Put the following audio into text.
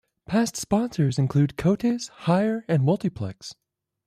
Past sponsors include Coates Hire and Multiplex.